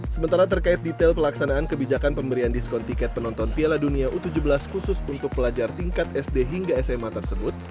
sementara terkait detail pelaksanaan kebijakan pemberian diskon tiket penonton piala dunia u tujuh belas khusus untuk pelajar tingkat sd hingga sma tersebut